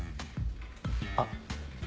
あっ。